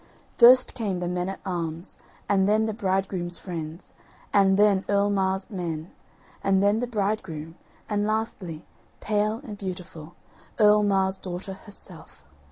First came the men at arms and then the bridegroom's friends, and then Earl Mar's men, and then the bridegroom, and lastly, pale and beautiful, Earl Mar's daughter herself.